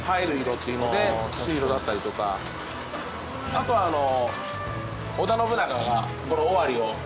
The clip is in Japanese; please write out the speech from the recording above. あとはあの。